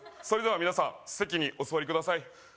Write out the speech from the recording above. それでは皆さん席にお座りください